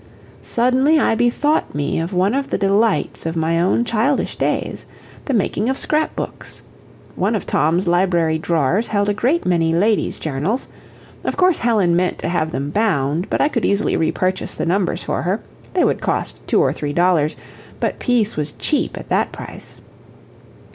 Suddenly I bethought me of one of the delights of my own childish days the making of scrap books. One of Tom's library drawers held a great many Lady's Journals. Of course Helen meant to have them bound, but I could easily repurchase the numbers for her; they would cost two or three dollars; but peace was cheap at that price.